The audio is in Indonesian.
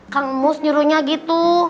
kang mus nyuruhnya gitu